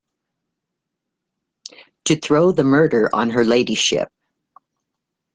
To throw the murder on her ladyship.